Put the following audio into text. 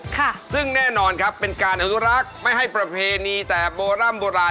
ค่ะซึ่งแน่นอนครับเป็นการอนุรักษ์ไม่ให้ประเพณีแต่โบร่ำโบราณ